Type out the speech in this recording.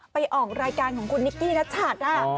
ไปออกรายการของคุณนิกกี้นัชัด